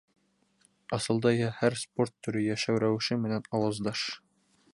Асылда иһә, һәр спорт төрө йәшәү рәүеше менән ауаздаш.